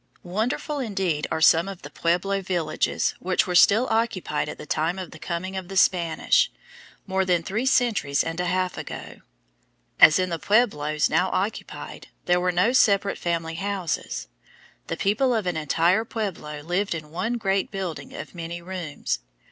GRINDING GRAIN, LAGUNA, NEW MEXICO] Wonderful indeed are some of the pueblo villages which were still occupied at the time of the coming of the Spanish, more than three centuries and a half ago. As in the pueblos now occupied, there were no separate family houses. The people of an entire pueblo lived in one great building of many rooms.